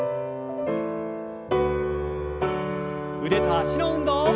腕と脚の運動。